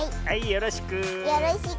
よろしく。